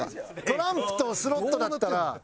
トランプとスロットだったら。